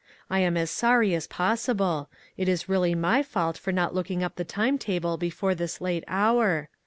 I am as sorry as possible ; it is really my fault for not looking up the time table be fore this late hour.